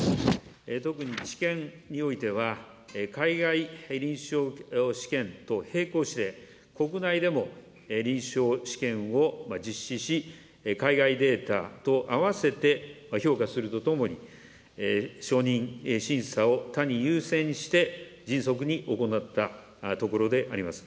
特に治験においては、海外臨床試験と並行して、国内でも臨床試験を実施し、海外データとあわせて評価するとともに、承認、審査を他に優先して迅速に行ったところであります。